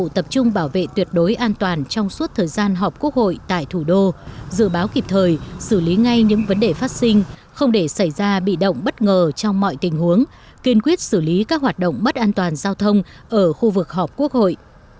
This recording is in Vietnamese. tập trung bảo vệ tuyệt đối an toàn trong suốt thời gian họp quốc hội tại thủ đô dự báo kịp thời xử lý ngay những vấn đề phát sinh không để xảy ra bị động bất ngờ trong mọi tình huống kiên quyết xử lý các hoạt động mất an toàn giao thông ở khu vực họp quốc hội